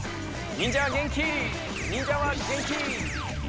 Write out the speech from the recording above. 忍者は元気！